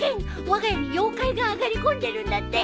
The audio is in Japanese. わが家に妖怪が上がり込んでるんだって。